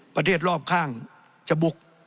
ประเทศรอบข้างจะบุก